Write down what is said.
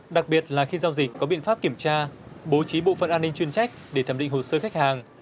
đặc biệt là khi giao dịch có biện pháp kiểm tra bố trí bộ phận an ninh chuyên trách để thẩm định hồ sơ khách hàng